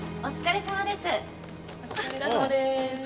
お疲れさまです。